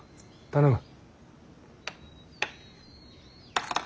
頼む。